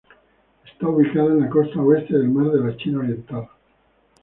Está ubicada en la costa oeste del mar de China Oriental.